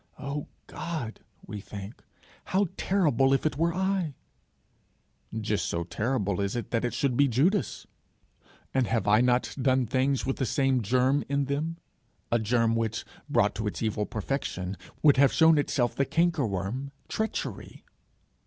'O God,' we think, 'how terrible if it were I!' Just so terrible is it that it should be Judas! And have I not done things with the same germ in them, a germ which, brought to its evil perfection, would have shown itself the canker worm, treachery?